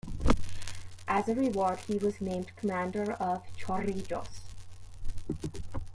As a reward, he was named Commander of Chorrillos.